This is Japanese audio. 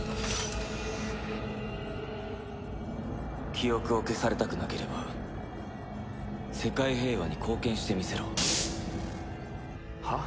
記憶を消されたくなければ世界平和に貢献してみせろ。はあ？